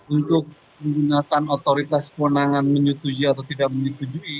untuk menggunakan otoritas kewenangan menyetujui atau tidak menyetujui